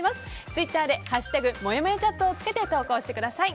ツイッターで「＃もやもやチャット」を付けて投稿してください。